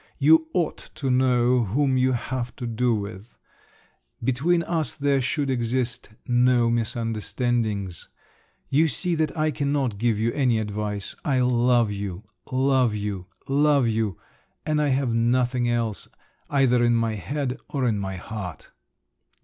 You ought to know whom you have to do with—between us there should exist no misunderstandings. You see that I cannot give you any advice…. I love you, love you, love you—and I have nothing else—either in my head or in my heart!!